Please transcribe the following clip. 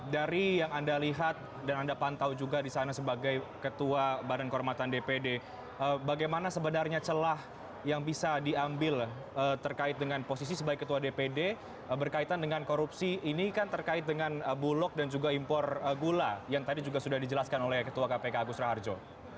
dari yang anda lihat dan anda pantau juga di sana sebagai ketua badan kehormatan dpd bagaimana sebenarnya celah yang bisa diambil terkait dengan posisi sebagai ketua dpd berkaitan dengan korupsi ini kan terkait dengan bulog dan juga impor gula yang tadi juga sudah dijelaskan oleh ketua kpk agus raharjo